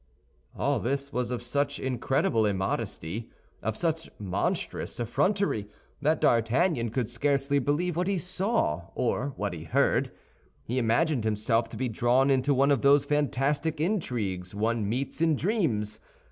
All this was of such incredible immodesty, of such monstrous effrontery, that D'Artagnan could scarcely believe what he saw or what he heard. He imagined himself to be drawn into one of those fantastic intrigues one meets in dreams.